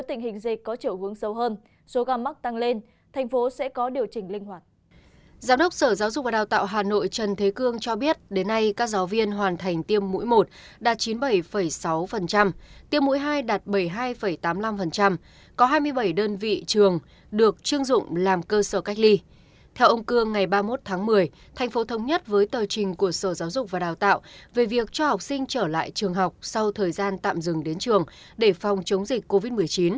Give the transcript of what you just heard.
theo ông cương ngày ba mươi một tháng một mươi thành phố thống nhất với tờ trình của sở giáo dục và đào tạo về việc cho học sinh trở lại trường học sau thời gian tạm dừng đến trường để phòng chống dịch covid một mươi chín